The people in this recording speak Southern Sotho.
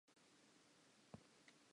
Sena se fana ka motheo wa ho bapisa.